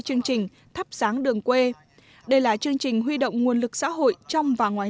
chương trình thắp sáng đường quê đây là chương trình huy động nguồn lực xã hội trong và ngoài